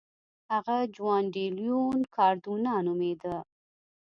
هغه جوان ډي لیون کاردونا نومېده.